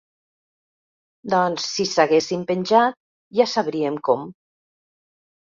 Doncs si s'haguessin penjat, ja sabríem com.